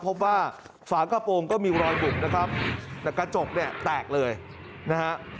พบว่าฝากระโปรงก็มีรอยบุบนะครับแต่กระจกเนี่ยแตกเลยนะฮะ